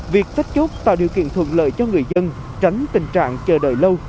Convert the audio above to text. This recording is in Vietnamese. việc cách chốt tạo điều kiện thuận lợi cho người dân tránh tình trạng chờ đợi lâu